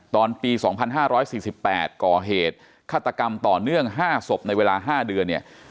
ตอนปี๒๕๔๘ก่อเหตุฆาตกรรมต่อเนื่อง๕ศพในเวลา๕เดือนเนี่ย